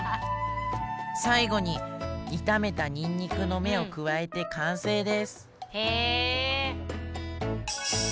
最後に炒めたにんにくの芽を加えて完成ですへえ。